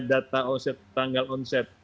data tanggal onset